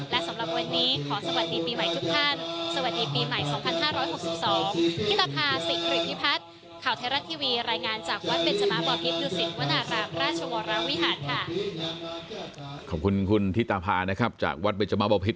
และสำหรับวันนี้ขอสวัสดีปีใหม่ทุกท่านสวัสดีปีใหม่๒๕๖๒วรวิหารค่ะ